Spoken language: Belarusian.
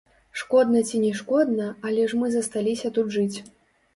Шкодна ці не шкодна, але ж мы засталіся тут жыць.